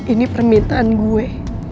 ini permintaan gue